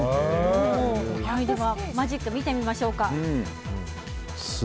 そのマジック見てみましょうか。